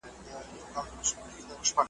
کشر ځان ته په چورتونو کي پاچا وو .